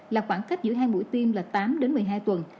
là khoảng cách giữa hai buổi tiêm là tám đến một mươi hai tuần